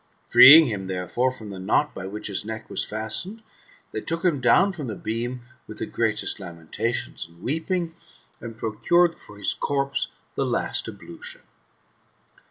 Freeing him, therefore, from the knot by which his neck was fastened, they took him down from the beam, with the greatest lamentations and weeping, and procured for his corpse the last ablution.